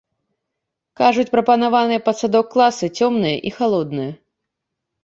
Кажуць, прапанаваныя пад садок класы цёмныя і халодныя.